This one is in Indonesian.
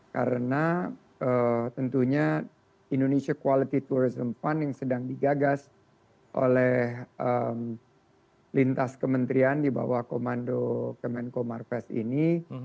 karena tentunya indonesia quality tourism fund yang sedang digagas oleh lintas kementerian di bawah komando kemenko marves ini